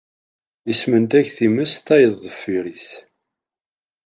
Ismendag times, tayeḍ deffir-s.